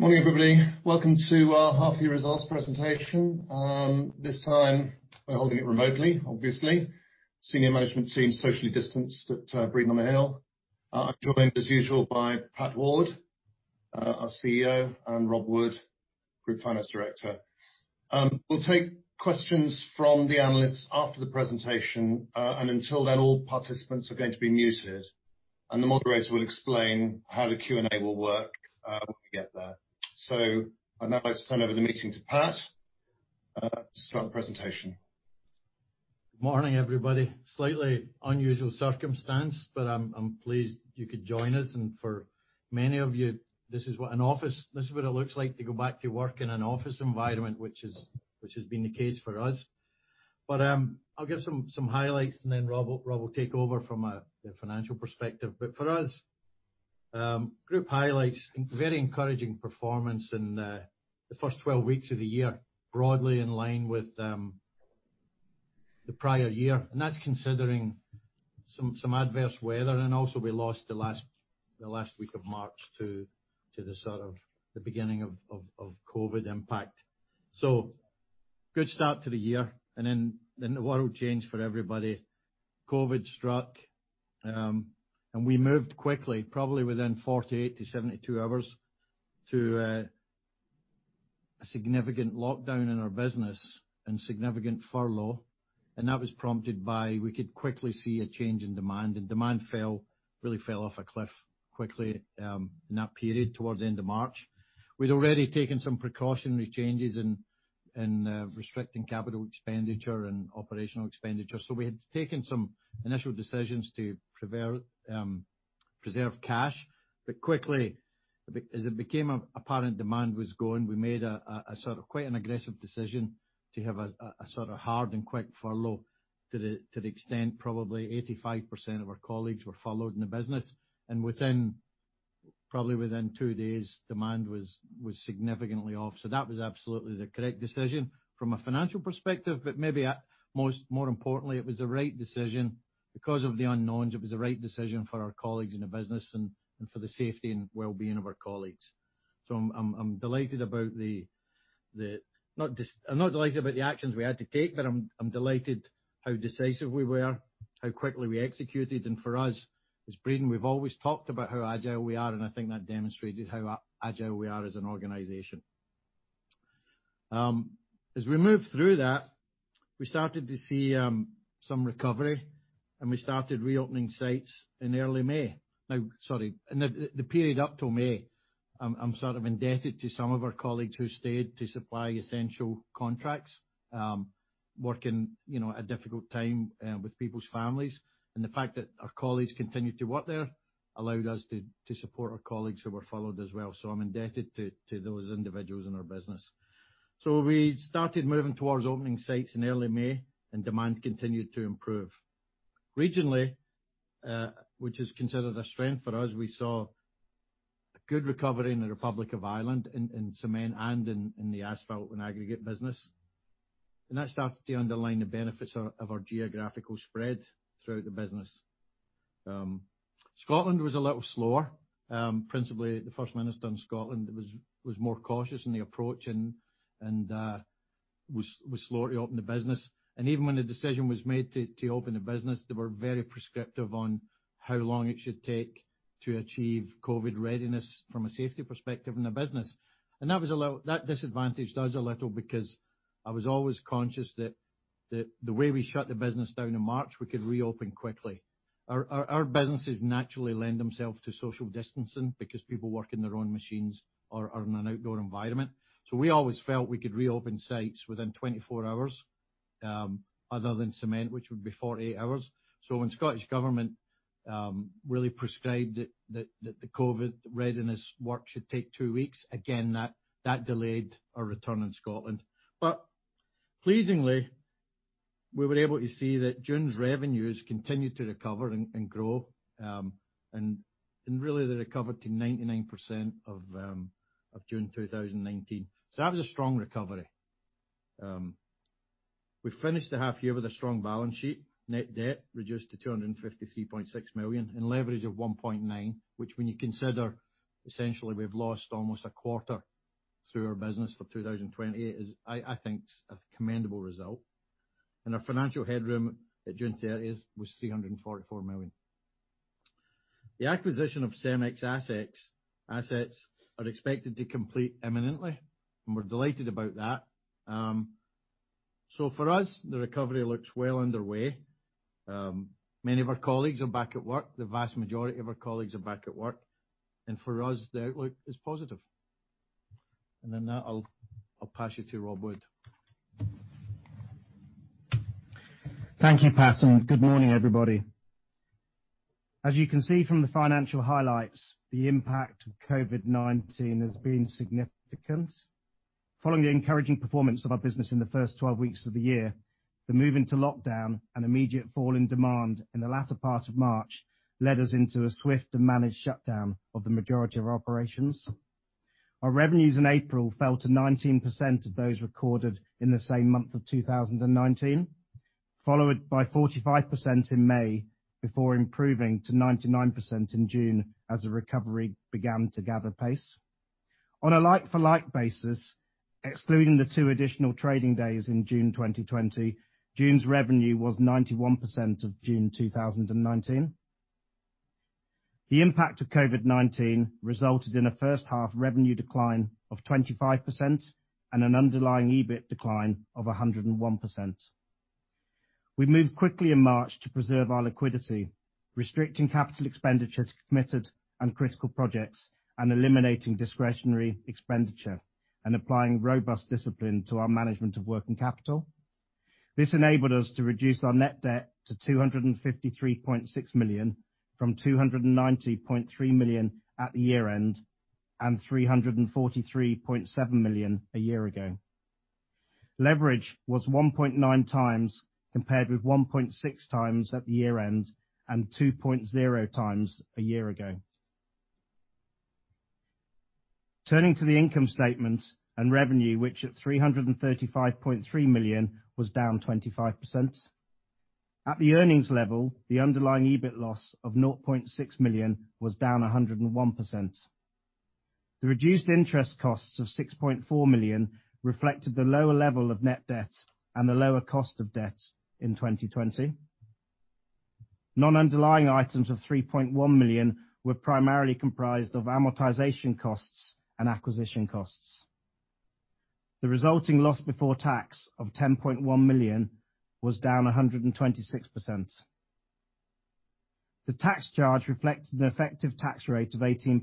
Morning, everybody. Welcome to our half year results presentation. This time we're holding it remotely, obviously. Senior management team socially distanced at Breedon on the Hill. I'm joined, as usual, by Pat Ward, our CEO, and Rob Wood, Group Finance Director. We'll take questions from the analysts after the presentation. Until then, all participants are going to be muted, and the moderator will explain how the Q&A will work when we get there. I'd now like to turn over the meeting to Pat to start the presentation. Morning, everybody. Slightly unusual circumstance, I'm pleased you could join us. For many of you, this is what it looks like to go back to work in an office environment, which has been the case for us. I'll give some highlights, and then Rob will take over from a financial perspective. For us, group highlights, very encouraging performance in the first 12 weeks of the year, broadly in line with the prior year. That's considering some adverse weather. Also, we lost the last week of March to the sort of the beginning of COVID impact. Good start to the year, and then the world changed for everybody. COVID struck, we moved quickly, probably within 48-72 hours, to a significant lockdown in our business and significant furlough. That was prompted by, we could quickly see a change in demand, and demand really fell off a cliff quickly in that period towards the end of March. We'd already taken some precautionary changes in restricting capital expenditure and operational expenditure. We had taken some initial decisions to preserve cash. Quickly, as it became apparent demand was going, we made a sort of quite an aggressive decision to have a sort of hard and quick furlough to the extent probably 85% of our colleagues were furloughed in the business. Within, probably within two days, demand was significantly off. That was absolutely the correct decision from a financial perspective. Maybe more importantly, it was the right decision because of the unknowns. It was the right decision for our colleagues in the business and for the safety and well-being of our colleagues. I'm not delighted about the actions we had to take, but I'm delighted how decisive we were, how quickly we executed. For us, as Breedon, we've always talked about how agile we are, and I think that demonstrated how agile we are as an organization. As we moved through that, we started to see some recovery, and we started reopening sites in early May. Now, sorry, in the period up till May, I'm sort of indebted to some of our colleagues who stayed to supply essential contracts, working a difficult time with people's families. The fact that our colleagues continued to work there allowed us to support our colleagues who were furloughed as well. I'm indebted to those individuals in our business. We started moving towards opening sites in early May, and demand continued to improve. Regionally, which is considered a strength for us, we saw a good recovery in the Republic of Ireland in cement and in the asphalt and aggregate business. That started to underline the benefits of our geographical spread throughout the business. Scotland was a little slower. Principally, the First Minister in Scotland was more cautious in the approach and was slow to open the business. Even when the decision was made to open the business, they were very prescriptive on how long it should take to achieve COVID readiness from a safety perspective in the business. That disadvantaged us a little because I was always conscious that the way we shut the business down in March, we could reopen quickly. Our businesses naturally lend themselves to social distancing because people work in their own machines or are in an outdoor environment. We always felt we could reopen sites within 24 hours, other than cement, which would be 48 hours. When Scottish Parliament really prescribed that the COVID readiness work should take two weeks, again, that delayed our return in Scotland. Pleasingly, we were able to see that June's revenues continued to recover and grow. Really, they recovered to 99% of June 2019. That was a strong recovery. We finished the half year with a strong balance sheet. Net debt reduced to 253.6 million and leverage of 1.9, which when you consider essentially we've lost almost one quarter through our business for 2020, is I think, a commendable result. Our financial headroom at June 30th was 344 million. The acquisition of CEMEX assets are expected to complete imminently, and we're delighted about that. For us, the recovery looks well underway. Many of our colleagues are back at work. The vast majority of our colleagues are back at work. For us, the outlook is positive. On that, I'll pass you to Rob Wood. Thank you, Pat, and good morning, everybody. As you can see from the financial highlights, the impact of COVID-19 has been significant. Following the encouraging performance of our business in the first 12 weeks of the year, the move into lockdown and immediate fall in demand in the latter part of March led us into a swift and managed shutdown of the majority of our operations. Our revenues in April fell to 19% of those recorded in the same month of 2019, followed by 45% in May, before improving to 99% in June as the recovery began to gather pace. On a like-for-like basis, excluding the two additional trading days in June 2020, June's revenue was 91% of June 2019. The impact of COVID-19 resulted in a first-half revenue decline of 25% and an underlying EBIT decline of 101%. We moved quickly in March to preserve our liquidity, restricting capital expenditures to committed and critical projects, and eliminating discretionary expenditure, and applying robust discipline to our management of working capital. This enabled us to reduce our net debt to 253.6 million, from 290.3 million at the year-end, and 343.7 million a year ago. Leverage was 1.9x, compared with 1.6x at the year-end, and 2.0x a year ago. Turning to the income statement and revenue, which at 335.3 million was down 25%. At the earnings level, the underlying EBIT loss of 0.6 million was down 101%. The reduced interest costs of 6.4 million reflected the lower level of net debt and the lower cost of debt in 2020. Non-underlying items of 3.1 million were primarily comprised of amortization costs and acquisition costs. The resulting loss before tax of 10.1 million was down 126%. The tax charge reflected an effective tax rate of 18%.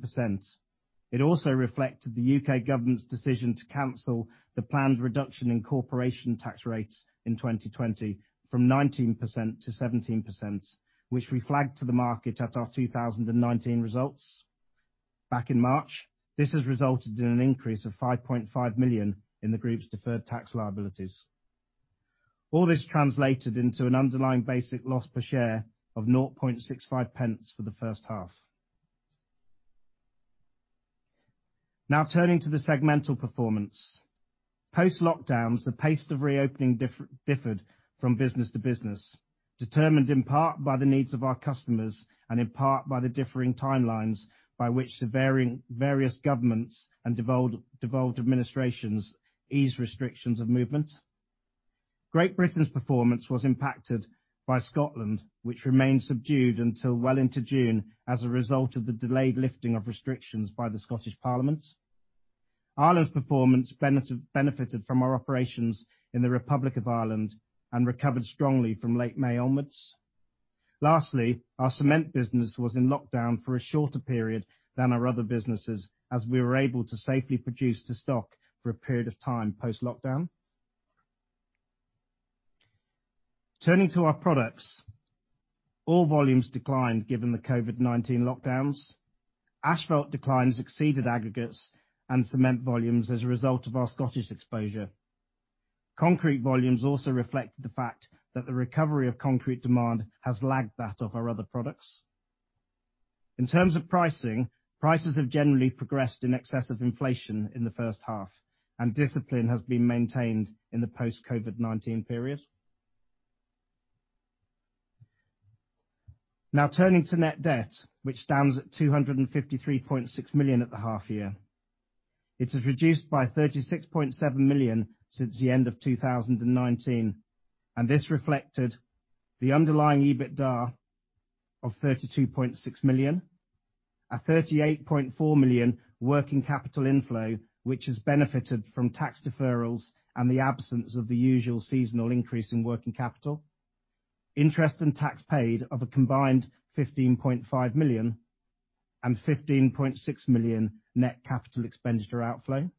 It also reflected the U.K. government's decision to cancel the planned reduction in corporation tax rates in 2020 from 19% to 17%, which we flagged to the market at our 2019 results back in March. This has resulted in an increase of 5.5 million in the group's deferred tax liabilities. All this translated into an underlying basic loss per share of 0.0065 for the first half. Turning to the segmental performance. Post-lockdowns, the pace of reopening differed from business to business, determined in part by the needs of our customers and in part by the differing timelines by which the various governments and devolved administrations ease restrictions of movement. Great Britain's performance was impacted by Scotland, which remained subdued until well into June as a result of the delayed lifting of restrictions by the Scottish Parliament. Ireland's performance benefited from our operations in the Republic of Ireland and recovered strongly from late May onwards. Lastly, our cement business was in lockdown for a shorter period than our other businesses, as we were able to safely produce to stock for a period of time post-lockdown. Turning to our products. All volumes declined given the COVID-19 lockdowns. Asphalt declines exceeded aggregates and cement volumes as a result of our Scottish exposure. Concrete volumes also reflected the fact that the recovery of concrete demand has lagged that of our other products. In terms of pricing, prices have generally progressed in excess of inflation in the first half, and discipline has been maintained in the post-COVID-19 period. Now turning to net debt, which stands at 253.6 million at the half year. It has reduced by 36.7 million since the end of 2019. This reflected the underlying EBITDA of 32.6 million, a 38.4 million working capital inflow, which has benefited from tax deferrals and the absence of the usual seasonal increase in working capital, interest and tax paid of a combined 15.5 million, and 15.6 million net capital expenditure outflow.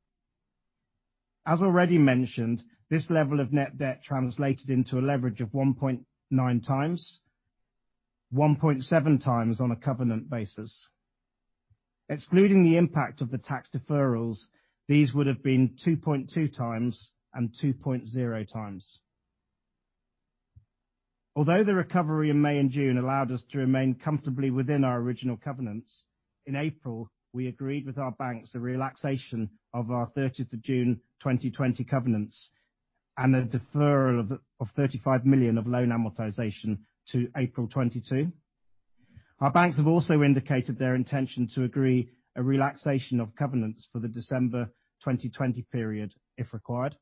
As already mentioned, this level of net debt translated into a leverage of 1.9x, 1.7x on a covenant basis. Excluding the impact of the tax deferrals, these would have been 2.2x and 2.0x. Although the recovery in May and June allowed us to remain comfortably within our original covenants, in April, we agreed with our banks a relaxation of our 30th of June 2020 covenants and a deferral of 35 million of loan amortization to April 2022. Our banks have also indicated their intention to agree a relaxation of covenants for the December 2020 period if required.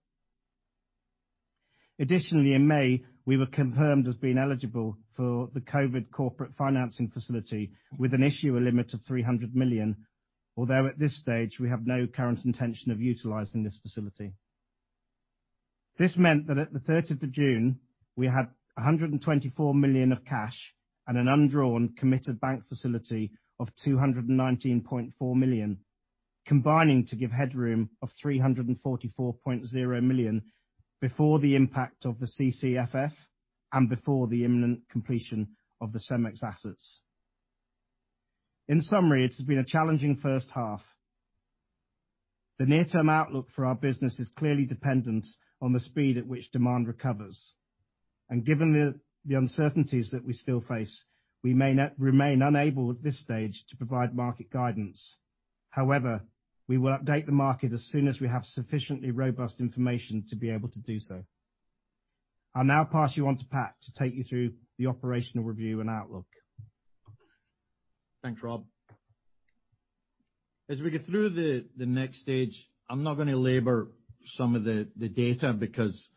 Additionally, in May, we were confirmed as being eligible for the Covid Corporate Financing Facility with an issuer limit of 300 million, although at this stage we have no current intention of utilizing this facility. This meant that at the 30th of June, we had 124 million of cash and an undrawn committed bank facility of 219.4 million, combining to give headroom of 344.0 million before the impact of the CCFF and before the imminent completion of the CEMEX assets. In summary, it has been a challenging first half. The near-term outlook for our business is clearly dependent on the speed at which demand recovers. Given the uncertainties that we still face, we may remain unable at this stage to provide market guidance. However, we will update the market as soon as we have sufficiently robust information to be able to do so. I'll now pass you on to Pat to take you through the operational review and outlook. Thanks, Rob. As we get through the next stage, I'm not going to labor some of the data because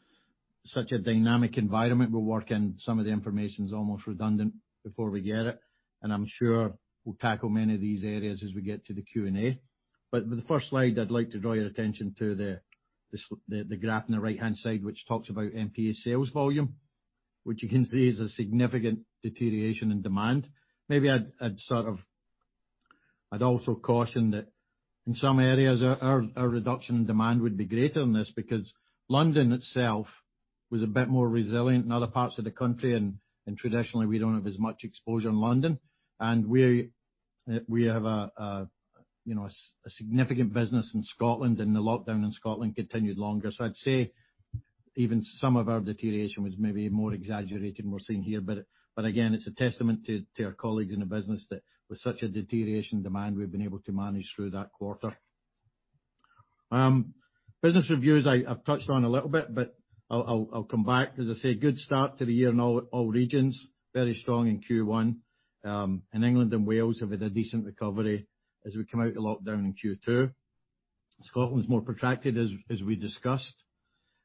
such a dynamic environment we work in, some of the information's almost redundant before we get it, and I'm sure we'll tackle many of these areas as we get to the Q&A. The first slide, I'd like to draw your attention to the graph on the right-hand side, which talks about MPA sales volume, which you can see is a significant deterioration in demand. Maybe I'd also caution that in some areas our reduction in demand would be greater than this, because London itself was a bit more resilient than other parts of the country, and traditionally we don't have as much exposure in London. We have a significant business in Scotland, and the lockdown in Scotland continued longer. I'd say even some of our deterioration was maybe more exaggerated than we're seeing here. Again, it's a testament to our colleagues in the business that with such a deterioration in demand, we've been able to manage through that quarter. Business reviews, I've touched on a little bit, but I'll come back. As I say, good start to the year in all regions. Very strong in Q1. In England and Wales have had a decent recovery as we come out of lockdown in Q2. Scotland was more protracted, as we discussed.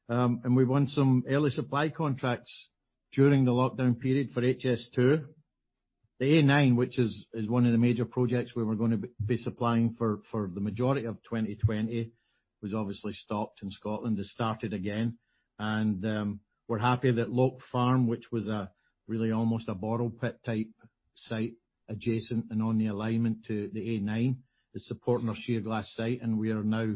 We won some early supply contracts during the lockdown period for HS2. The A9, which is one of the major projects where we're going to be supplying for the majority of 2020, was obviously stopped in Scotland. It's started again. We're happy that Loak Farm, which was really almost a borrow pit type site adjacent and on the alignment to the A9, is supporting our Shierglas site, and we are now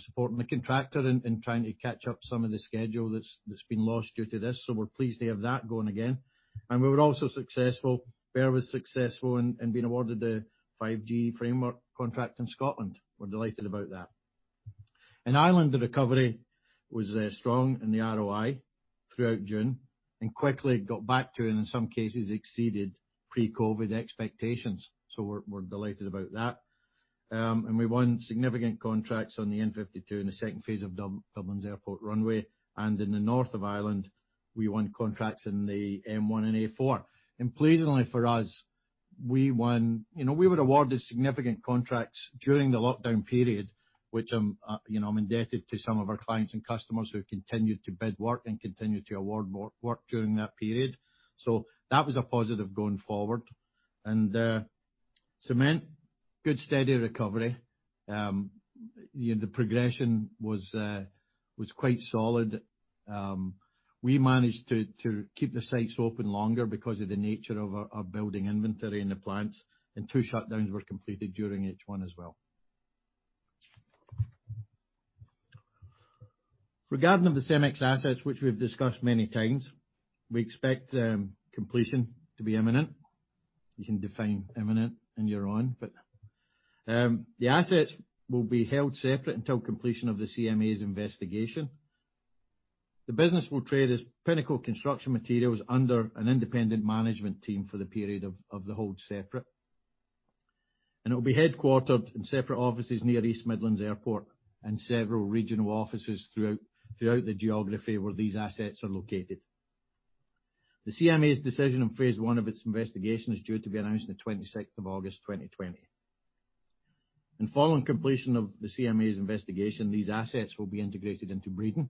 supporting the contractor in trying to catch up some of the schedule that's been lost due to this. We're pleased to have that going again. We were also successful, BEAR was successful in being awarded a 5G framework contract in Scotland. We're delighted about that. In Ireland, the recovery was strong in the ROI throughout June, and quickly it got back to, and in some cases exceeded, pre-COVID expectations. We're delighted about that. We won significant contracts on the N52 in the phase two of Dublin's airport runway. In the north of Ireland, we won contracts in the M1 and A4. Pleasingly for us, we were awarded significant contracts during the lockdown period, which I'm indebted to some of our clients and customers who have continued to bid work and continued to award work during that period. That was a positive going forward. Cement, good steady recovery. The progression was quite solid. We managed to keep the sites open longer because of the nature of our building inventory and the plants, and two shutdowns were completed during H1 as well. Regarding the CEMEX assets, which we've discussed many times, we expect completion to be imminent. You can define imminent on your own. The assets will be held separate until completion of the CMA's investigation. The business will trade as Pinnacle Construction Materials under an independent management team for the period of the hold separate. It will be headquartered in separate offices near East Midlands Airport and several regional offices throughout the geography where these assets are located. The CMA's decision on phase one of its investigation is due to be announced on the 26th of August 2020. Following completion of the CMA's investigation, these assets will be integrated into Breedon.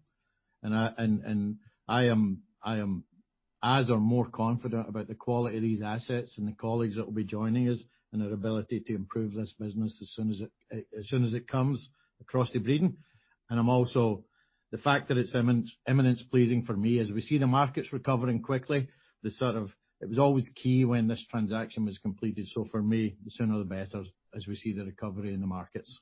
I am as or more confident about the quality of these assets and the colleagues that will be joining us and our ability to improve this business as soon as it comes across to Breedon. I'm also, the fact that it's imminent is pleasing for me as we see the markets recovering quickly. It was always key when this transaction was completed. For me, the sooner the better as we see the recovery in the markets.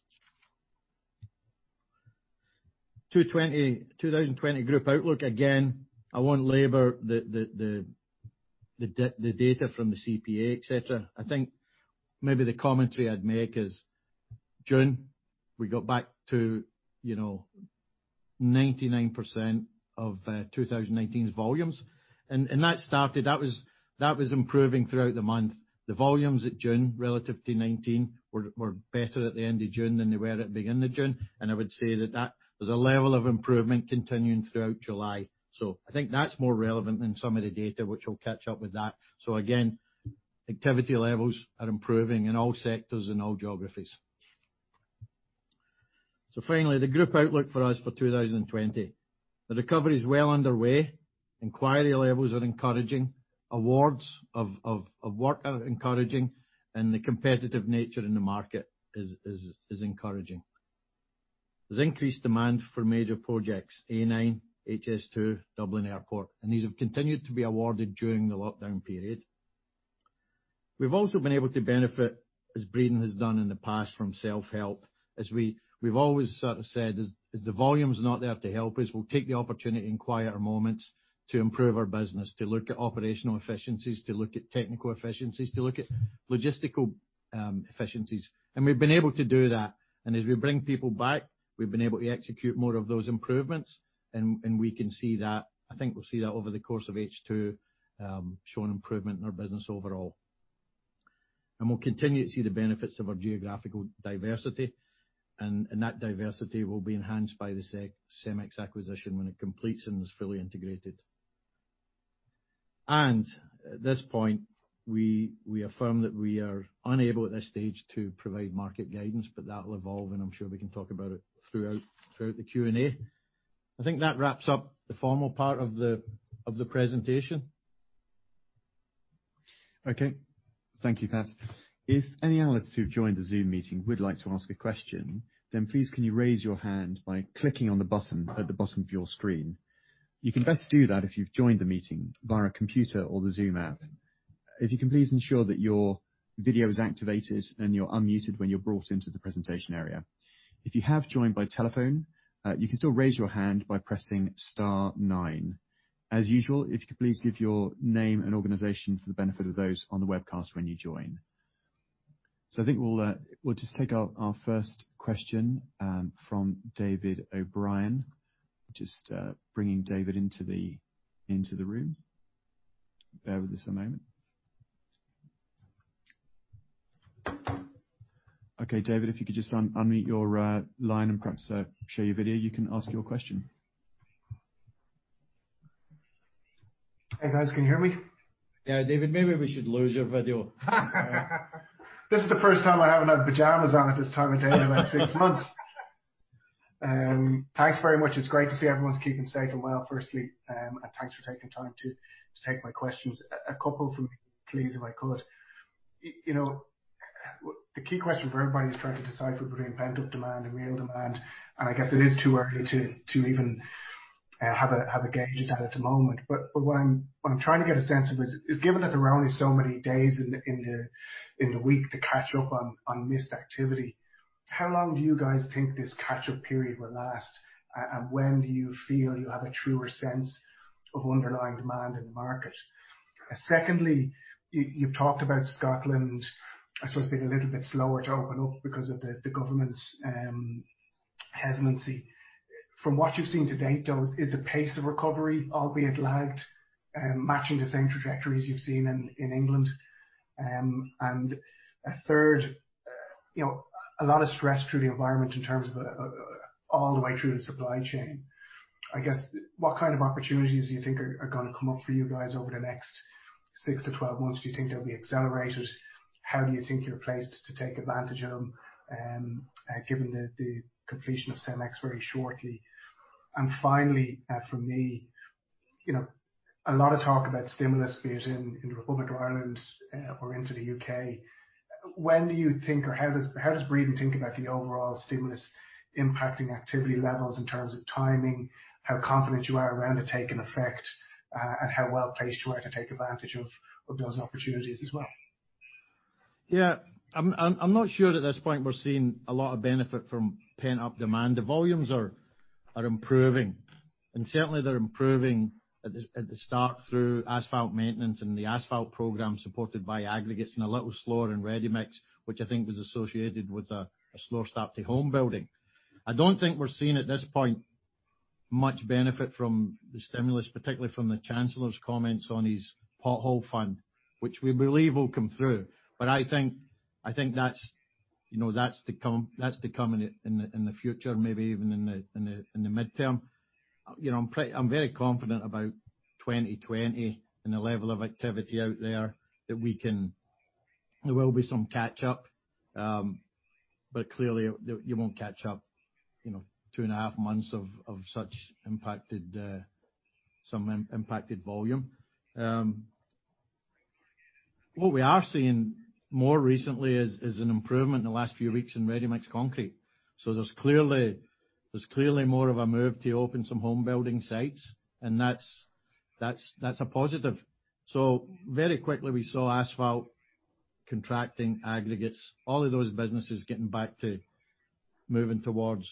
2020 group outlook. Again, I won't labor the data from the CPA, etc. I think maybe the commentary I'd make is June, we got back to 99% of 2019's volumes. That started, that was improving throughout the month. The volumes at June relative to 2019 were better at the end of June than they were at the beginning of June. I would say that was a level of improvement continuing throughout July. I think that's more relevant than some of the data which will catch up with that. Again, activity levels are improving in all sectors and all geographies. Finally, the group outlook for us for 2020. The recovery is well underway. Inquiry levels are encouraging. Awards of work are encouraging, and the competitive nature in the market is encouraging. There's increased demand for major projects, A9, HS2, Dublin Airport. These have continued to be awarded during the lockdown period. We've also been able to benefit, as Breedon has done in the past, from self-help. As we've always sort of said, as the volume's not there to help us, we'll take the opportunity in quieter moments to improve our business, to look at operational efficiencies, to look at technical efficiencies, to look at logistical efficiencies. We've been able to do that. As we bring people back, we've been able to execute more of those improvements, and we can see that. I think we'll see that over the course of H2, show an improvement in our business overall. We'll continue to see the benefits of our geographical diversity, and that diversity will be enhanced by the CEMEX acquisition when it completes and is fully integrated. At this point, we affirm that we are unable at this stage to provide market guidance, but that will evolve, and I'm sure we can talk about it throughout the Q&A. I think that wraps up the formal part of the presentation. Okay. Thank you, Pat. If any analysts who've joined the Zoom meeting would like to ask a question, then please can you raise your hand by clicking on the button at the bottom of your screen. You can best do that if you've joined the meeting via a computer or the Zoom app. If you can please ensure that your video is activated, and you're unmuted when you're brought into the presentation area. If you have joined by telephone, you can still raise your hand by pressing star nine. As usual, if you could please give your name and organization for the benefit of those on the webcast when you join. I think we'll just take our first question from David O'Brien. Just bringing David into the room. Bear with us a moment. Okay, David, if you could just unmute your line and perhaps show your video, you can ask your question. Hey, guys. Can you hear me? Yeah, David, maybe we should lose your video. This is the first time I haven't had pajamas on at this time of day in about six months. Thanks very much. It's great to see everyone's keeping safe and well, firstly, and thanks for taking time to take my questions. A couple from me, please, if I could. The key question for everybody is trying to decipher between pent-up demand and real demand, and I guess it is too early to even have a gauge at that at the moment. What I'm trying to get a sense is, given that there are only so many days in the week to catch up on missed activity, how long do you guys think this catch-up period will last? When do you feel you have a truer sense of underlying demand in the market? Secondly, you've talked about Scotland, I suppose, being a little bit slower to open up because of the government's hesitancy. From what you've seen to date, though, is the pace of recovery, albeit lagged, matching the same trajectories you've seen in England? A third, a lot of stress through the environment in terms of all the way through the supply chain. I guess, what kind of opportunities do you think are going to come up for you guys over the next 6-12 months? Do you think they'll be accelerated? How do you think you're placed to take advantage of them given the completion of CEMEX very shortly? Finally, from me, a lot of talk about stimulus, be it in the Republic of Ireland or into the U.K. When do you think, or how does Breedon think about the overall stimulus impacting activity levels in terms of timing, how confident you are around it taking effect, and how well-placed you are to take advantage of those opportunities as well? Yeah. I'm not sure at this point we're seeing a lot of benefit from pent-up demand. The volumes are improving, and certainly they're improving at the start through asphalt maintenance and the asphalt program supported by aggregates and a little slower in ready-mix, which I think was associated with a slow start to home building. I don't think we're seeing at this point much benefit from the stimulus, particularly from the Chancellor's comments on his pothole fund, which we believe will come through. I think that's to come in the future, maybe even in the midterm. I'm very confident about 2020 and the level of activity out there that there will be some catch-up. Clearly, you won't catch up 2.5 months of some impacted volume. What we are seeing more recently is an improvement in the last few weeks in ready-mix concrete. There's clearly more of a move to open some home building sites, and that's a positive. Very quickly, we saw asphalt contracting aggregates, all of those businesses getting back to moving towards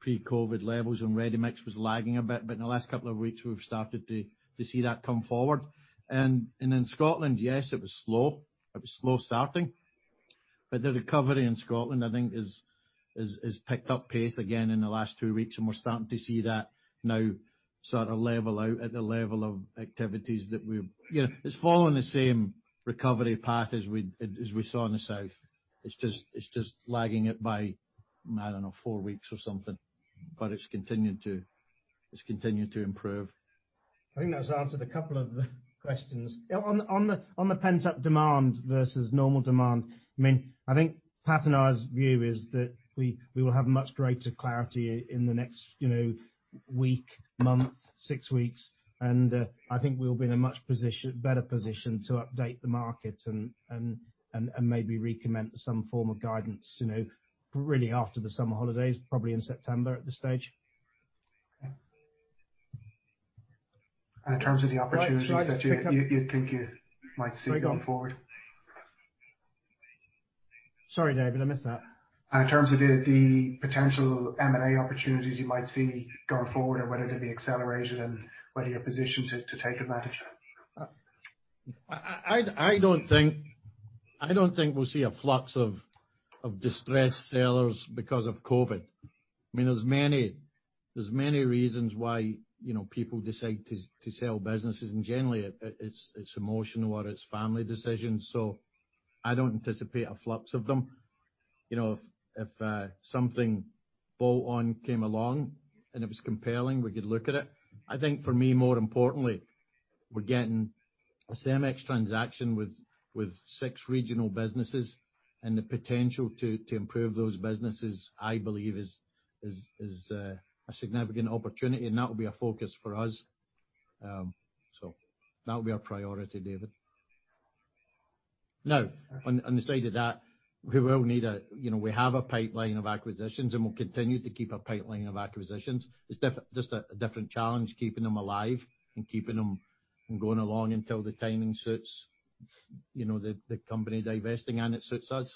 pre-COVID levels, and ready-mix was lagging a bit, but in the last couple of weeks, we've started to see that come forward. In Scotland, yes, it was slow. It was slow starting. The recovery in Scotland, I think, has picked up pace again in the last two weeks, and we're starting to see that now sort of level out at the level of activities that we. It's following the same recovery path as we saw in the south. It's just lagging it by, I don't know, four weeks or something. It's continued to improve. I think that's answered a couple of the questions. On the pent-up demand versus normal demand, I think Pat and I's view is that we will have much greater clarity in the next week, month, six weeks, and I think we'll be in a much better position to update the market and maybe recommence some form of guidance really after the summer holidays, probably in September at this stage. Okay. In terms of the opportunities that you think you might see going forward? Sorry, David, I missed that. In terms of the potential M&A opportunities you might see going forward and whether they'll be accelerated and whether you're positioned to take advantage of that. I don't think we'll see a flux of distressed sellers because of COVID. There's many reasons why people decide to sell businesses, and generally it's emotional or it's family decisions. I don't anticipate a flux of them. If something bolt-on came along and it was compelling, we could look at it. I think for me, more importantly, we're getting a CEMEX transaction with six regional businesses and the potential to improve those businesses, I believe is a significant opportunity, and that will be a focus for us. That will be our priority, David. On the side of that, we have a pipeline of acquisitions, and we'll continue to keep a pipeline of acquisitions. It's just a different challenge, keeping them alive and keeping them going along until the timing suits the company divesting and it suits us.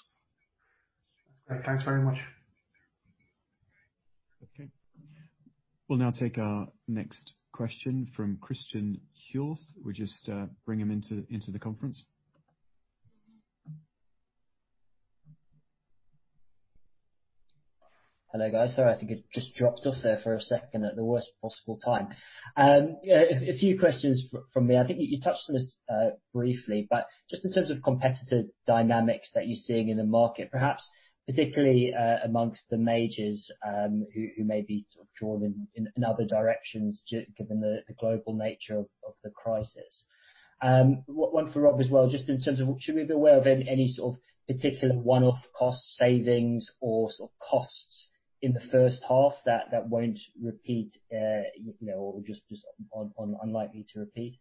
Okay, thanks very much. Okay. We will now take our next question from Christian Huels. We will just bring him into the conference. Hello, guys. Sorry, I think it just dropped off there for a second at the worst possible time. A few questions from me. I think you touched on this briefly. Just in terms of competitive dynamics that you're seeing in the market, perhaps particularly amongst the majors who may be sort of drawn in other directions, given the global nature of the crisis. One for Rob as well, just in terms of should we be aware of any sort of particular one-off cost savings or sort of costs in the first half that won't repeat or just unlikely to repeat?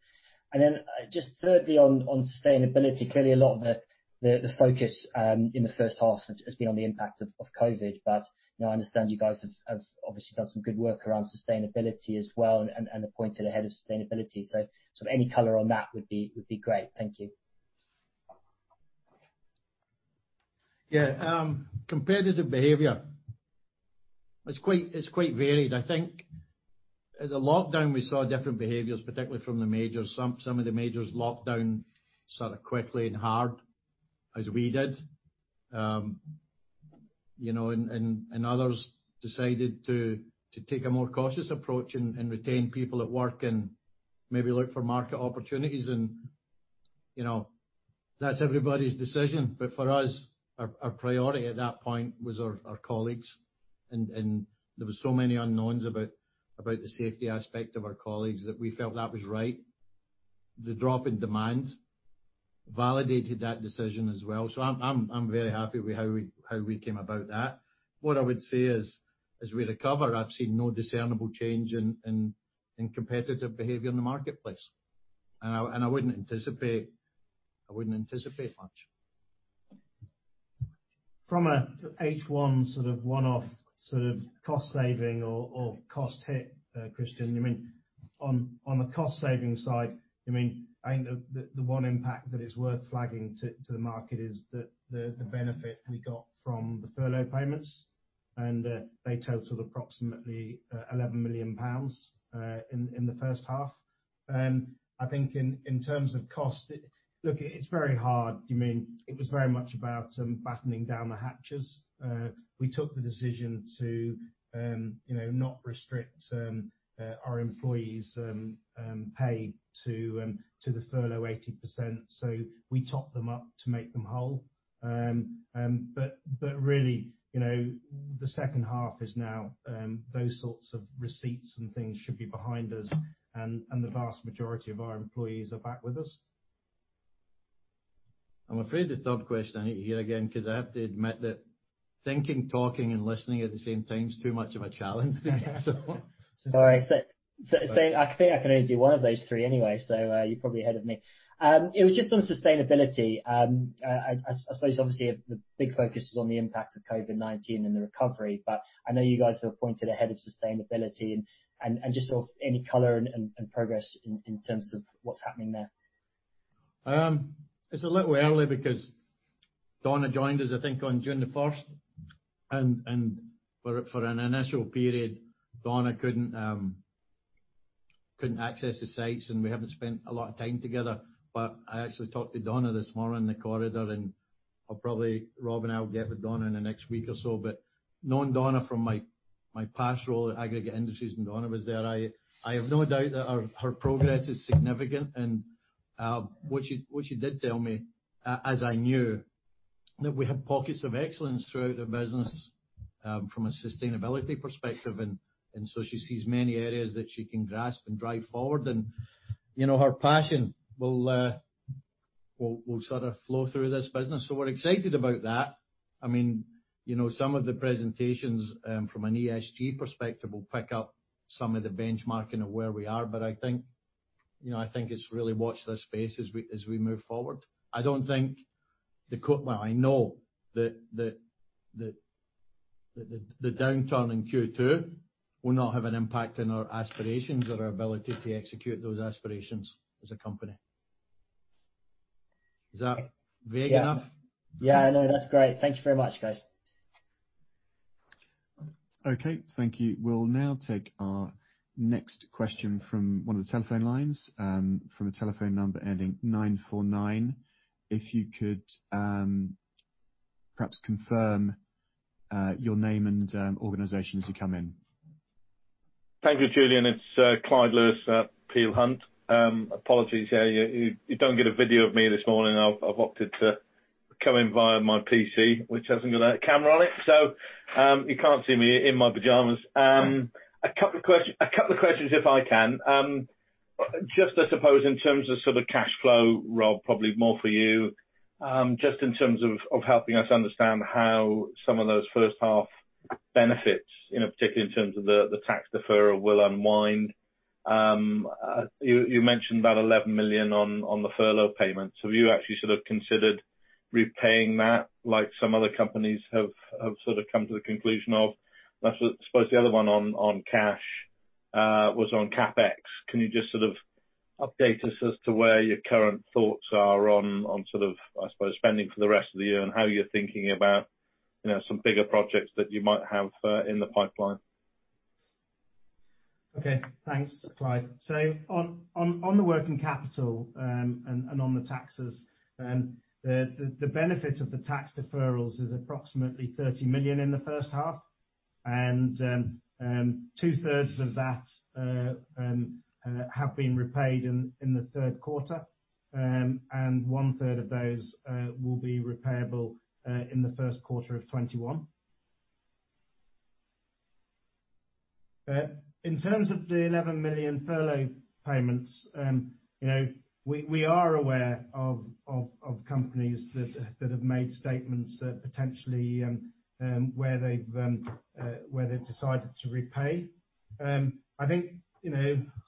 Just thirdly on sustainability, clearly a lot of the focus in the first half has been on the impact of COVID. I understand you guys have obviously done some good work around sustainability as well and appointed a head of sustainability. Any color on that would be great. Thank you. Competitive behavior. It's quite varied. I think as a lockdown, we saw different behaviors, particularly from the majors. Some of the majors locked down sort of quickly and hard as we did. Others decided to take a more cautious approach and retain people at work and maybe look for market opportunities and that's everybody's decision. For us, our priority at that point was our colleagues, and there were so many unknowns about the safety aspect of our colleagues that we felt that was right. The drop in demand validated that decision as well. I'm very happy with how we came about that. What I would say is, as we recover, I've seen no discernible change in competitive behavior in the marketplace. I wouldn't anticipate much. From a H1 sort of one-off sort of cost saving or cost hit, Christian Huels, on the cost saving side, the one impact that is worth flagging to the market is the benefit we got from the furlough payments, and they totaled approximately 11 million pounds in the first half. I think in terms of cost, look, it's very hard. It was very much about battening down the hatches. We took the decision to not restrict our employees' pay to the furlough 80%, we topped them up to make them whole. Really, the second half is now those sorts of receipts and things should be behind us and the vast majority of our employees are back with us. I'm afraid the third question I need to hear again because I have to admit that thinking, talking, and listening at the same time is too much of a challenge so. Sorry. I think I can only do one of those three anyway, so you're probably ahead of me. It was just on sustainability. I suppose obviously the big focus is on the impact of COVID-19 and the recovery, but I know you guys have appointed a head of sustainability, and just any color and progress in terms of what's happening there. It's a little early because Donna joined us, I think, on June the first, and for an initial period, Donna couldn't access the sites, and we haven't spent a lot of time together. I actually talked to Donna this morning in the corridor, and probably Rob and I will get with Donna in the next week or so. Knowing Donna from my past role at Aggregate Industries when Donna was there, I have no doubt that her progress is significant. What she did tell me, as I knew, that we have pockets of excellence throughout the business from a sustainability perspective, She sees many areas that she can grasp and drive forward and her passion will sort of flow through this business. We're excited about that. Some of the presentations from an ESG perspective will pick up some of the benchmarking of where we are. I think it's really watch this space as we move forward. I know that the downturn in Q2 will not have an impact on our aspirations or our ability to execute those aspirations as a company. Is that vague enough? Yeah, no, that's great. Thank you very much, guys. Okay. Thank you. We'll now take our next question from one of the telephone lines, from a telephone number ending 949. If you could perhaps confirm your name and organization as you come in. Thank you, Julian. It's Clyde Lewis at Peel Hunt. Apologies, you don't get a video of me this morning. I've opted to come in via my PC, which hasn't got a camera on it. You can't see me in my pajamas. A couple of questions if I can. Just, I suppose, in terms of sort of cash flow, Rob, probably more for you. Just in terms of helping us understand how some of those first half benefits, particularly in terms of the tax deferral, will unwind. You mentioned about 11 million on the furlough payments. Have you actually sort of considered repaying that, like some other companies have sort of come to the conclusion of? I suppose the other one on cash, was on CapEx. Can you just sort of update us as to where your current thoughts are on spending for the rest of the year and how you're thinking about some bigger projects that you might have in the pipeline? Okay. Thanks, Clyde. On the working capital, on the taxes, the benefit of the tax deferrals is approximately 30 million in the first half and 2/3 of that have been repaid in the third quarter, and 1/3 of those will be repayable in the first quarter of 2021. In terms of the 11 million furlough payments, we are aware of companies that have made statements potentially where they've decided to repay. I think,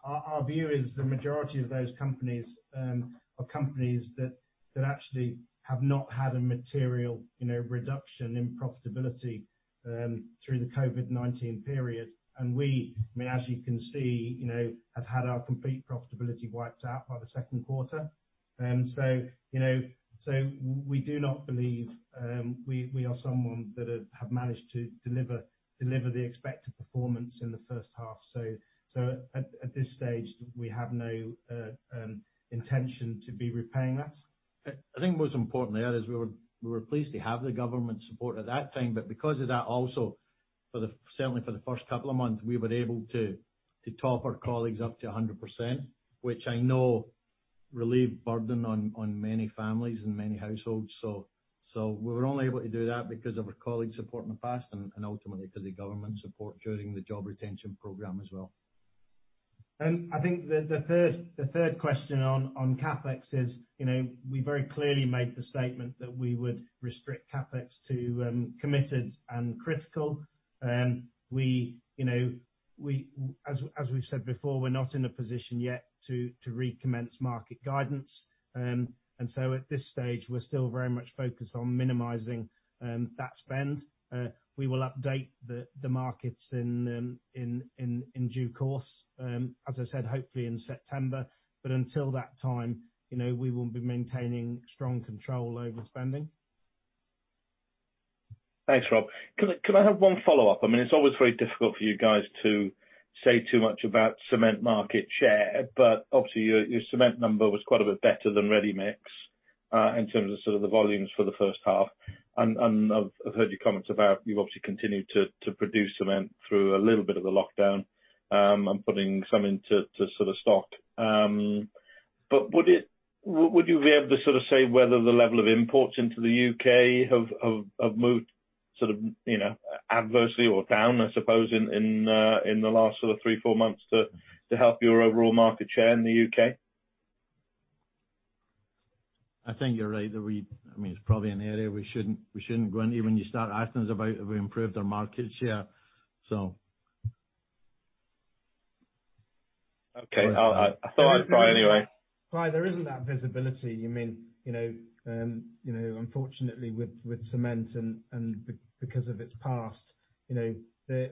our view is the majority of those companies, are companies that actually have not had a material reduction in profitability through the COVID-19 period. We, as you can see, have had our complete profitability wiped out by the second quarter. We do not believe we are someone that have managed to deliver the expected performance in the first half. At this stage, we have no intention to be repaying that. I think most importantly there is we were pleased to have the government support at that time. But because of that also, certainly for the first couple of months, we were able to top our colleagues up to 100%, which I know relieved burden on many families and many households. We were only able to do that because of our colleagues' support in the past and ultimately because of government support during the job retention program as well. I think the third question on CapEx is, we very clearly made the statement that we would restrict CapEx to committed and critical. As we've said before, we're not in a position yet to recommence market guidance. At this stage, we're still very much focused on minimizing that spend. We will update the markets in due course. As I said, hopefully in September. Until that time, we will be maintaining strong control over spending. Thanks, Rob. Could I have one follow-up? It's always very difficult for you guys to say too much about cement market share. Obviously, your cement number was quite a bit better than ready mix, in terms of sort of the volumes for the first half. I've heard your comments about you've obviously continued to produce cement through a little bit of the lockdown, and putting some into sort of stock. Would you be able to say whether the level of imports into the U.K. have moved adversely or down, I suppose, in the last sort of three, four months to help your overall market share in the U.K.? I think you're right that It's probably an area we shouldn't go into when you start asking us about have we improved our market share. Okay. I thought I'd try anyway. Clyde, there isn't that visibility. Unfortunately, with cement and because of its past, that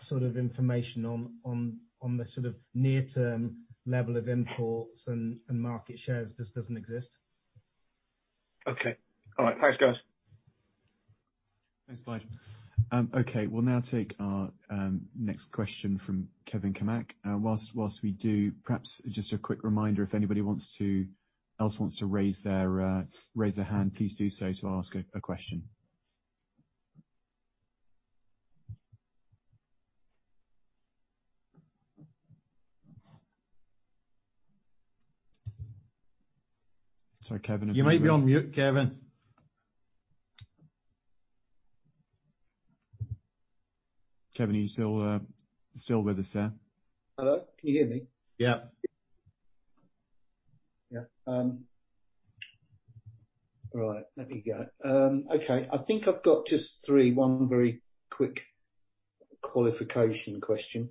sort of information on the sort of near-term level of imports and market shares just doesn't exist. Okay. All right. Thanks, guys. Thanks, Clyde. Okay, we'll now take our next question from Kevin Cammack. While we do, perhaps just a quick reminder, if anybody else wants to raise their hand, please do so to ask a question. Sorry, Kevin. You might be on mute, Kevin. Kevin, are you still with us, sir? Hello? Can you hear me? Yeah. Yeah. Right. Let me go. Okay. I think I've got just three. One very quick qualification question.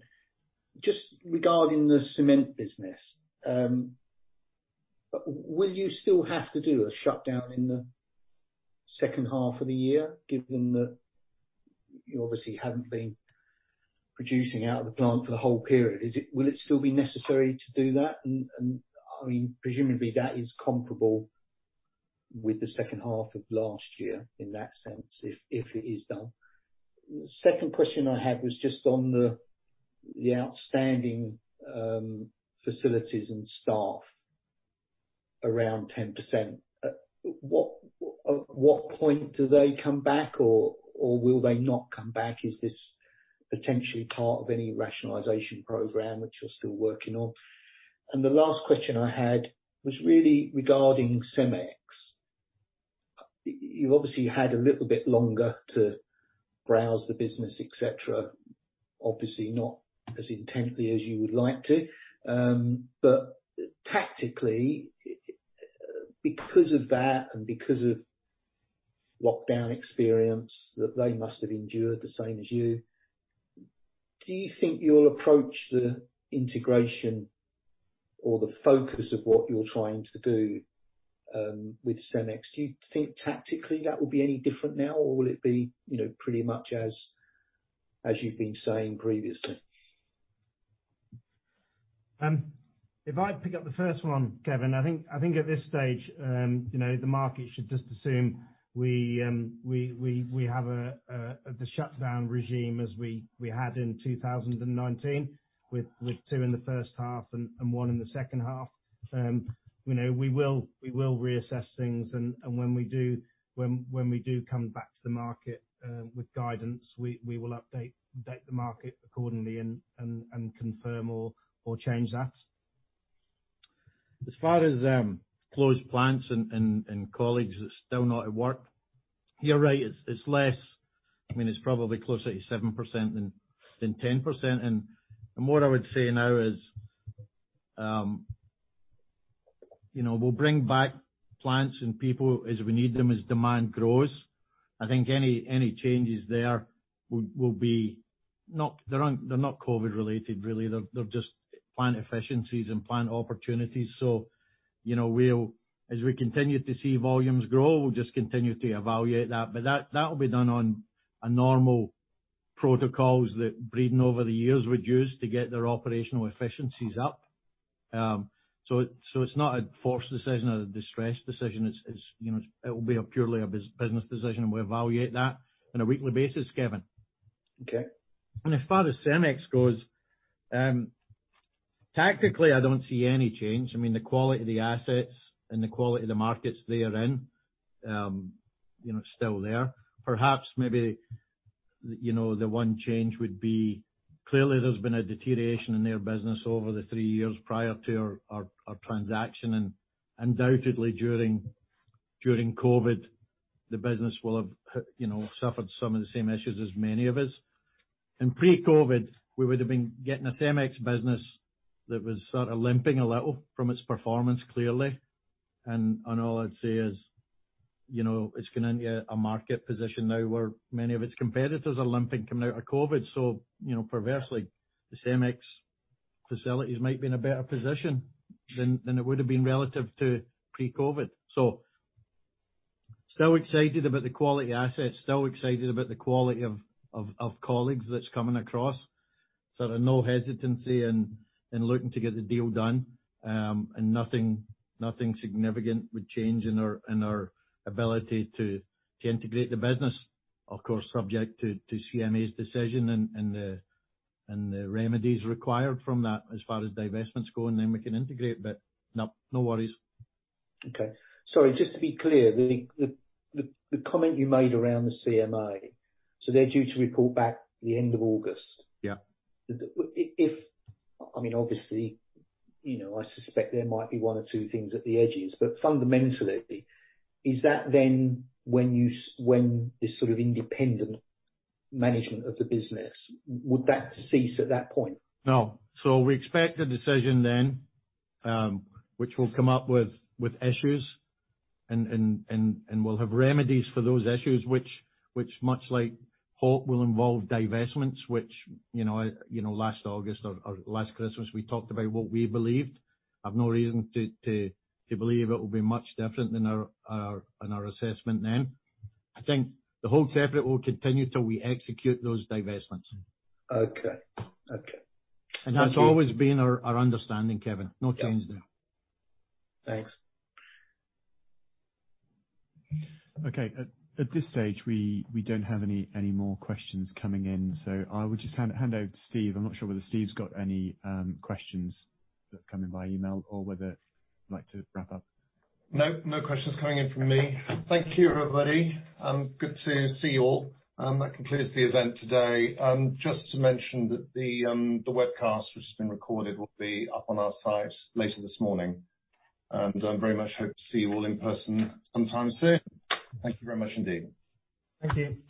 Just regarding the cement business, will you still have to do a shutdown in the second half of the year given that you obviously haven't been producing out of the plant for the whole period? Will it still be necessary to do that? Presumably that is comparable with the second half of last year in that sense, if it is done. Second question I had was just on the outstanding facilities and staff, around 10%. At what point do they come back or will they not come back? Is this potentially part of any rationalization program which you're still working on? The last question I had was really regarding CEMEX. You obviously had a little bit longer to browse the business, etc, obviously not as intently as you would like to. Tactically, because of that and because of lockdown experience that they must have endured the same as you, do you think you'll approach the integration or the focus of what you're trying to do with CEMEX, do you think tactically that will be any different now or will it be pretty much as you've been saying previously? If I pick up the first one, Kevin, I think at this stage, the market should just assume we have the shutdown regime as we had in 2019 with two in the first half and one in the second half. We will reassess things and when we do come back to the market with guidance, we will update the market accordingly and confirm or change that. As far as closed plants and colleagues that are still not at work, you're right, it's less. It's probably closer to 7% than 10%. What I would say now is, we'll bring back plants and people as we need them, as demand grows. I think any changes there, they're not COVID related really, they're just plant efficiencies and plant opportunities. As we continue to see volumes grow, we'll just continue to evaluate that. That will be done on a normal protocols that Breedon over the years would use to get their operational efficiencies up. It's not a forced decision or a distressed decision. It will be a purely a business decision and we evaluate that on a weekly basis, Kevin. Okay. As far as CEMEX goes, tactically I don't see any change. The quality of the assets and the quality of the markets they are in, it's still there. Perhaps maybe the one change would be, clearly there's been a deterioration in their business over the three years prior to our transaction and undoubtedly during COVID, the business will have suffered some of the same issues as many of us. In pre-COVID, we would have been getting a CEMEX business that was sort of limping a little from its performance, clearly. All I'd say is, it's going into a market position now where many of its competitors are limping coming out of COVID. Perversely, the CEMEX facilities might be in a better position than it would have been relative to pre-COVID. Still excited about the quality of assets, still excited about the quality of colleagues that's coming across. Sort of no hesitancy in looking to get the deal done. Nothing significant would change in our ability to integrate the business. Of course, subject to CMA's decision and the remedies required from that as far as divestments go, and then we can integrate. No worries. Okay. Sorry, just to be clear, the comment you made around the CMA, they're due to report back the end of August. Yeah. Obviously, I suspect there might be one or two things at the edges, but fundamentally, is that then when this sort of independent management of the business, would that cease at that point? No. We expect a decision then, which will come up with issues and will have remedies for those issues, which much like Hope will involve divestments which last August or last Christmas we talked about what we believed. I've no reason to believe it will be much different than our assessment then. I think the hold separate will continue till we execute those divestments. Okay. Thank you. That's always been our understanding, Kevin. No change there. Thanks. Okay. At this stage we don't have any more questions coming in, so I would just hand over to Steve. I'm not sure whether Steve's got any questions that come in by email or whether you'd like to wrap up. No questions coming in from me. Thank you, everybody. Good to see you all. That concludes the event today. Just to mention that the webcast which has been recorded will be up on our site later this morning. I very much hope to see you all in person sometime soon. Thank you very much indeed. Thank you.